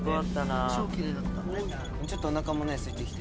ちょっとおなかもねすいてきて。